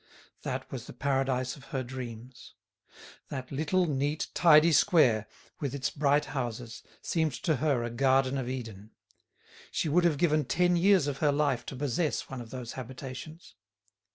That was the paradise of her dreams. That little, neat, tidy square, with its bright houses, seemed to her a Garden of Eden. She would have given ten years of her life to possess one of those habitations.